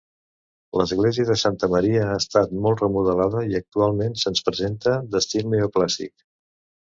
L'església de Santa Maria ha estat molt remodelada i actualment se'ns presenta d'estil neoclàssic.